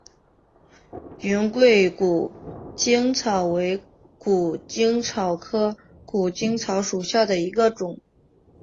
云贵谷精草为谷精草科谷精草属下的一个种。